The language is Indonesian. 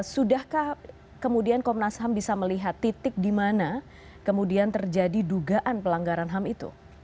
sudahkah kemudian komnas ham bisa melihat titik di mana kemudian terjadi dugaan pelanggaran ham itu